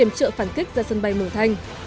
iểm trợ phản kích ra sân bay bường thanh